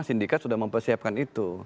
karena sindikat sudah mempersiapkan itu